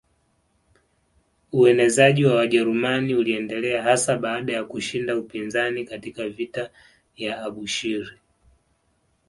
Uenezeaji wa Wajerumani uliendelea hasa baada ya kushinda upinzani katika vita ya Abushiri